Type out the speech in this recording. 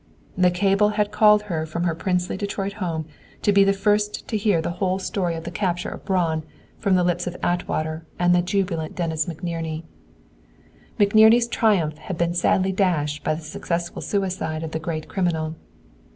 The cable had called her from her princely Detroit home to be the first to hear the whole story of the capture of Braun from the lips of Atwater and the jubilant Dennis McNerney. McNerney's triumph had been sadly dashed by the successful suicide of the great criminal.